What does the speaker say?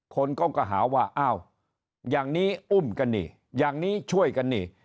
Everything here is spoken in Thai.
คนก็หาว่าอ้าวอย่างนี้อุ้มกันนี่อย่างนี้ช่วยกันนี่